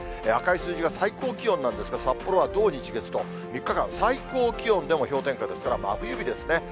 赤い数字が最高気温なんですが、札幌は土日月と３日間、最高気温でも氷点下ですから、真冬日ですね。